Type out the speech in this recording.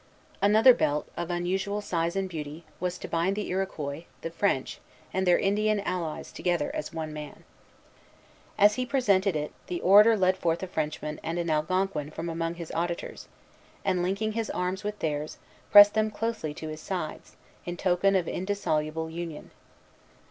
Another belt, of unusual size and beauty, was to bind the Iroquois, the French, and their Indian allies together as one man. As he presented it, the orator led forth a Frenchman and an Algonquin from among his auditors, and, linking his arms with theirs, pressed them closely to his sides, in token of indissoluble union.